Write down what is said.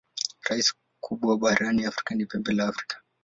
Rasi kubwa barani Afrika ni Pembe la Afrika.